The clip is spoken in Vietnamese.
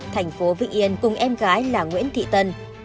thành phố vĩnh yên cùng em gái là nguyễn thị tân